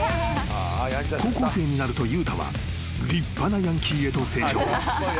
［高校生になると悠太は立派なヤンキーへと成長］